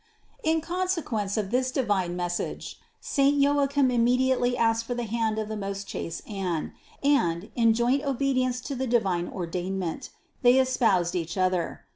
In consequence of this di vine message saint Joachim immediately asked for the hand of the most chaste Anne and, in joint obedience to the divine ordainment, they espoused each other.